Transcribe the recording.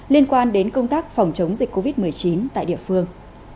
liên quan đến công tác phòng chống dịch covid một mươi chín tại địa phương